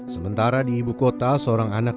sementara di ibu kota seorang anak